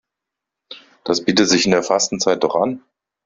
Das bietet sich in der Fastenzeit doch an.